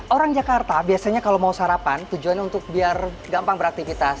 orang jakarta biasanya kalau mau sarapan tujuannya untuk biar gampang beraktivitas